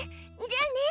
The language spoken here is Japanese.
じゃあね。